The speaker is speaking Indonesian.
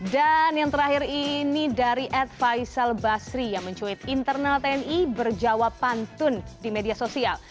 dan yang terakhir ini dari advaisal basri yang mencuit internal tni berjawab pantun di media sosial